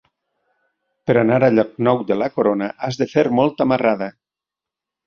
Per anar a Llocnou de la Corona has de fer molta marrada.